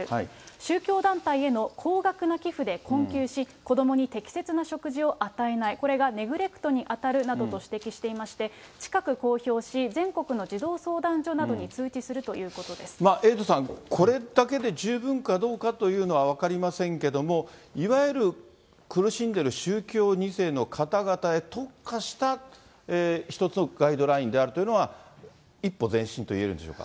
宗教団体への高額な寄付で困窮し、子どもに適切な食事を与えない、これがネグレクトに当たるなどと指摘していまして、近く公表し、全国の児童相談所などに通知するエイトさん、これだけで十分かどうかというのは分かりませんけども、いわゆる苦しんでいる宗教２世の方々へ特化した一つのガイドラインであるというのは、一歩前進と言えるんでしょうか。